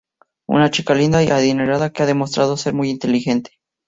Una chica linda y adinerada que ha demostrado ser muy inteligente.